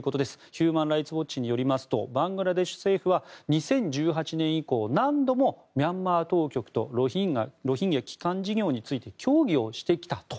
ヒューマン・ライツ・ウォッチによりますとバングラデシュ政府は２０１８年以降何度もミャンマー当局とロヒンギャ帰還事業について協議をしてきたと。